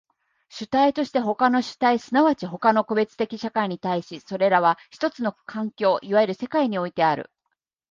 主体として他の主体即ち他の個別的社会に対し、それらは一つの環境、いわゆる世界においてある。